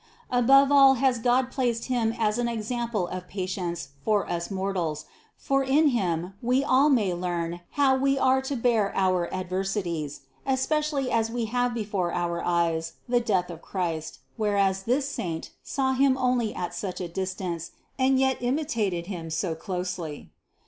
Above all has God placed him as an example of patience for us mortals, for in him we all may learn how we are to bear our adversities; especially as we have before our eyes the death of Christ, whereas this saint saw Him only at such a distance and yet imitated Him so closely.